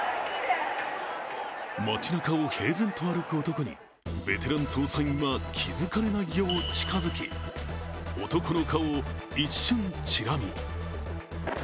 街なかを平然と歩く男にベテラン捜査員は気付かれないよう近づき男の顔を一瞬チラ見。